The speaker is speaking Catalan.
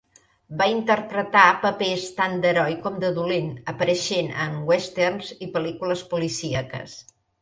Va interpretar papers tant d'heroi com de dolent, apareixent en westerns i pel·lícules policíaques.